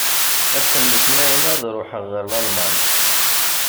Ass n letnayen, ad ṛuḥeɣ ar Lalman.